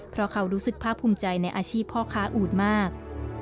เพราะเขารู้สึกภาคภูมิใจในอาชีพพ่อค้าอูดมาก